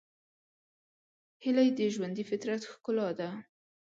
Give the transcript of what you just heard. هیلۍ د ژوندي فطرت ښکلا ده